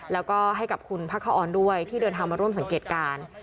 แล้วก็ให้กับคุณพระคอนด้วยที่เดินทางมาร่วมสังเกตการณ์